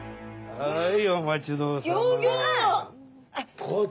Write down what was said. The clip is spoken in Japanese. はい。